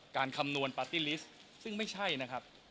คำนวณปาร์ตี้ลิสต์ซึ่งไม่ใช่นะครับ